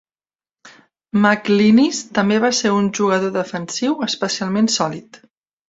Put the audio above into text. McInnis també va ser un jugador defensiu especialment sòlid.